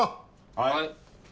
はい。